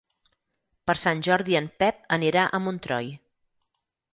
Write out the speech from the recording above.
Per Sant Jordi en Pep anirà a Montroi.